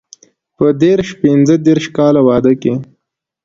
په دیرش پنځه دېرش کاله واده کې.